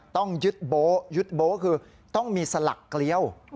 ต้องยึดโบ๊ยึดโบ๊คือต้องมีสลักเกลียว